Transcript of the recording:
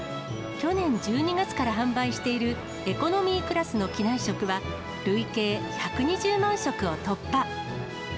去年１２月から販売しているエコノミークラスの機内食は、累計１２０万食を突破。